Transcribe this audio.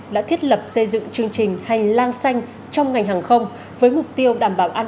đã thiết lập xây dựng chương trình hành lang xanh trong ngành hàng không với mục tiêu đảm bảo an